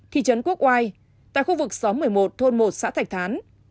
thị trấn quốc oai tại khu vực sáu trăm một mươi một thôn một xã thạch thán